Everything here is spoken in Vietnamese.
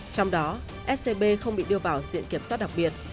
trong đó scb không bị đưa vào diện kiểm soát đặc biệt